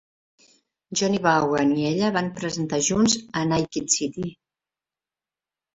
Johnny Vaughan i ella van presentar junts a "Naked City".